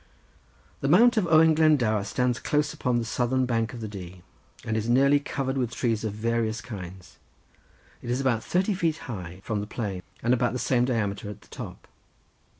The mount of Owen Glendower stands close upon the southern bank of the Dee, and is nearly covered with trees of various kinds. It is about thirty feet high from the plain, and about the same diameter at the top.